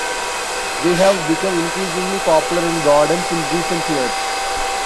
They have become increasingly popular in gardens in recent years.